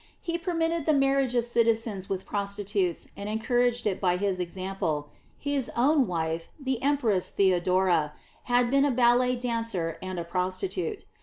He permitted the marriage of citizens with prostitutes, and encouraged it by his example. His own wife, the Empress Theodora, had been a ballet dancer and a prostitute.